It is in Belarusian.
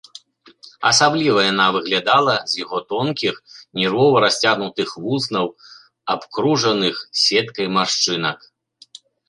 Асабліва яна выглядала з яго тонкіх, нервова расцягнутых вуснаў, абкружаных сеткай маршчынак.